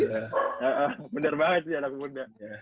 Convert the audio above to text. iya bener banget sih anak muda